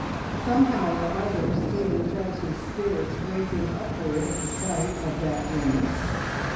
Somehow or other Stephen felt his spirits racing upward at sight of that grimace.